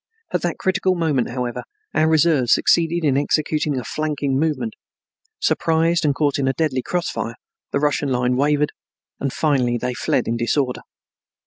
At that critical moment, however, our reserves succeeded in executing a flanking movement. Surprised and caught in a deadly cross fire, the Russian line wavered and finally they fled in disorder.